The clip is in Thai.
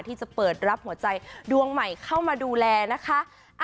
ที่จะเปิดรับหัวใจดวงใหม่เข้ามาดูแลนะคะ